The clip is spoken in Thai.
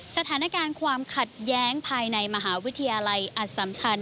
สถานการณ์ความขัดแย้งภายในมหาวิทยาลัยอสัมชัน